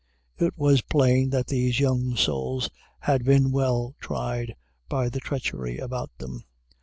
It was plain that these young souls had been well tried by the treachery about them.